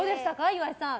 岩井さん。